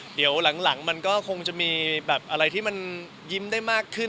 เดี๋ยวหลังมันก็คงจะมีแบบอะไรที่มันยิ้มได้มากขึ้น